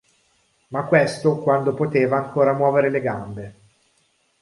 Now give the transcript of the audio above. Ma questo quando poteva ancora muovere le gambe.